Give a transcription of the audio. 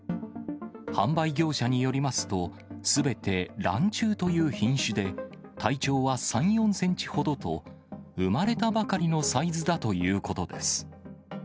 販売業者によりますと、すべてランチュウという品種で、体長は３、４センチほどと、生まれたばかりのサイズだということです。